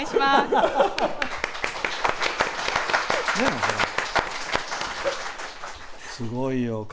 すごいよ。